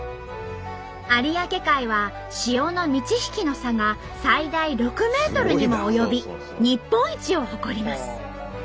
有明海は潮の満ち引きの差が最大６ｍにも及び日本一を誇ります。